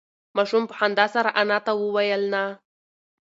ماشوم په خندا سره انا ته وویل نه.